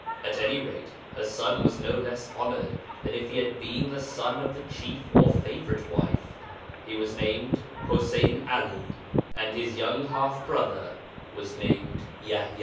At any rate her son was no less honoured than if he had been the son of the chief or favourite wife; he was named Ḥuseyn 'Ali, and his young half brother was named Yaḥya.